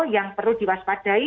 yang perlu diwaspadai